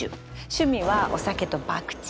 趣味はお酒とばくち。